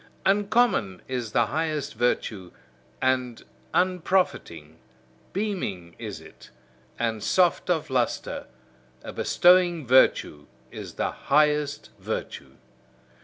Uncommon is the highest virtue, and unprofiting, beaming is it, and soft of lustre: a bestowing virtue is the highest virtue.